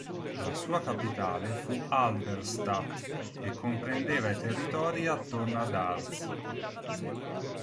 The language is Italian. La sua capitale fu Halberstadt e comprendeva i territori attorno ad Harz.